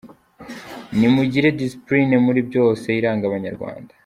Nimugire disipilini muri byose, iranga Abanyarwanda”.